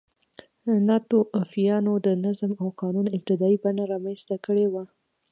ناتوفیانو د نظم او قانون ابتدايي بڼه رامنځته کړې وه